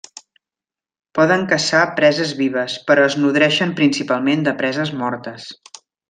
Poden caçar preses vives, però es nodreixen principalment de preses mortes.